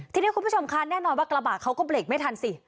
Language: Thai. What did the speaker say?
ทีนี้คุณผู้ชมคะแน่นอนว่ากระบะเขาก็เบรกไม่ทันสิ